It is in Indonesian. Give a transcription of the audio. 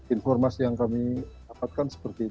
informasi yang kami dapatkan seperti itu